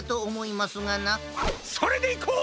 それでいこう！